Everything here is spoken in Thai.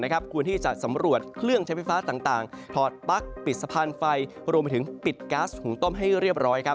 ควรที่จะสำรวจเครื่องใช้ไฟฟ้าต่างถอดปลั๊กปิดสะพานไฟรวมไปถึงปิดก๊าซหุงต้มให้เรียบร้อย